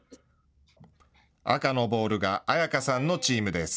赤のボールが彩夏さんのチームです。